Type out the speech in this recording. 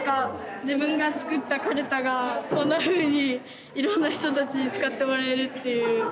自分が作ったカルタがこんなふうにいろんな人たちに使ってもらえるっていう。